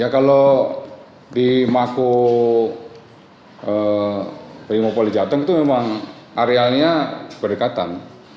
kalau di mahkok primok polijateng itu memang arealnya berdekatan